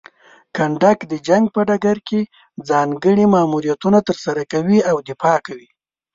کنډک د جنګ په ډګر کې ځانګړي ماموریتونه ترسره کوي او دفاع کوي.